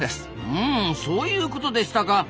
うんそういうことでしたか。